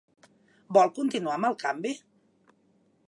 Vol continuar amb el canvi?